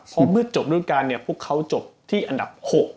เพราะเมื่อจบฤทธิ์การพวกเขาจบที่อันดับ๖